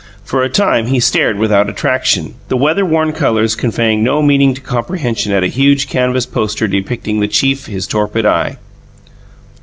For a time he stared without attraction; the weather worn colours conveying no meaning to comprehension at a huge canvas poster depicting the chief his torpid eye.